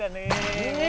え？